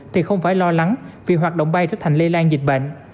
thì không phải lo lắng vì hoạt động bay trở thành lây lan dịch bệnh